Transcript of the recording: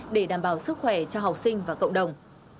để đảm bảo sức khỏe cho học sinh và cộng đồng